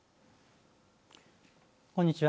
こんにちは。